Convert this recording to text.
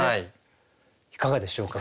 いかがでしょうか？